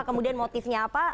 kemudian motifnya apa